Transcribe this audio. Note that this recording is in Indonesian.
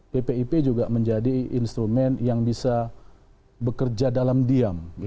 bpip juga menjadi instrumen yang bisa bekerja dalam diam